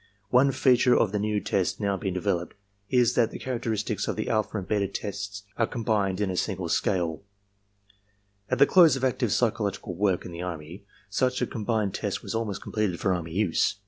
One feature of the new tests now being developed is that the characteristics of the alpha and beta tests are combined in a single scale. At PRACTICAL APPLICATIONS 191 the close of active psychological work in the Army, such a com bined test was almost completed for army use.